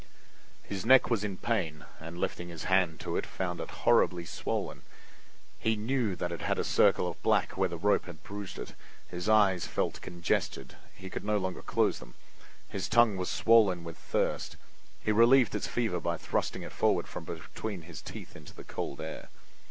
His neck was in pain and lifting his hand to it found it horribly swollen. He knew that it had a circle of black where the rope had bruised it. His eyes felt congested; he could no longer close them. His tongue was swollen with thirst; he relieved its fever by thrusting it forward from between his teeth into the cold air.